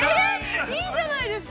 ◆いいじゃないですか！